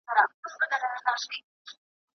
¬ چي حاجي حاجي ئې بولې، اخير به حاجي سي.